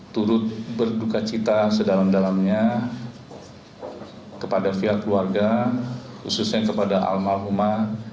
turut berdukacita sedalam dalamnya kepada fiat keluarga khususnya kepada almal humah